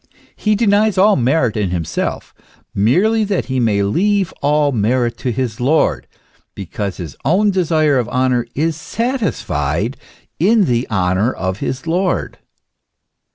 f He denies all merit in himself, merely that he may leave all merit to his Lord, because his own desire of honour is satisfied in the honour of his Lord.